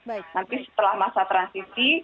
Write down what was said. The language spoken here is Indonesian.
nanti setelah masa transisi